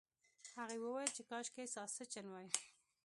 هغې وویل چې کاشکې ساسچن وای.